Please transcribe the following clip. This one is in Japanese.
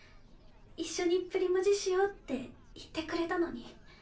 一緒にプリマジしようって言ってくれたのに。